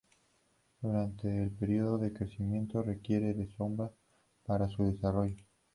Durante el período de crecimiento requiere de sombra para su desarrollo.